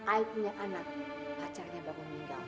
ay punya anak pacarnya baru meninggal